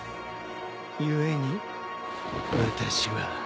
故に私は。